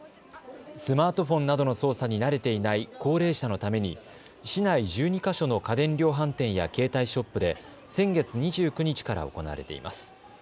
スマートフォンなどの操作に慣れていない高齢者のために市内１２か所の家電量販店や携帯ショップで先月２９日から行われています。